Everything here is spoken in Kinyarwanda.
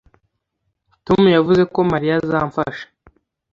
Tom yavuze ko Mariya azamfasha